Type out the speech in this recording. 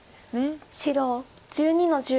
白１２の十。